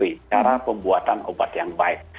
ini adalah pembuatan obat yang baik